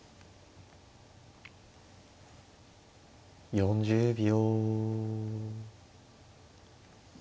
４０秒。